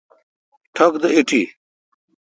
ٹک دے ایٹھی۔